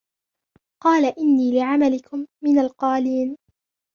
قَالَ إِنِّي لِعَمَلِكُمْ مِنَ الْقَالِينَ